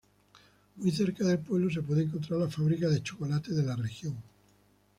Muy cerca del pueblo se puede encontrar la fábrica de chocolate de la región.